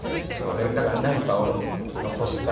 だから何かを残したい。